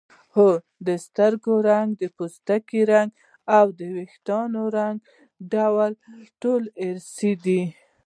هو د سترګو رنګ د پوستکي رنګ او د وېښتانو ډول ټول ارثي دي